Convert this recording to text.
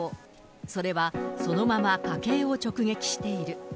それはそのまま家計を直撃している。